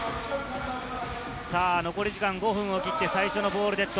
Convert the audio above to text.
残り時間５分を切って最初のボールデッド。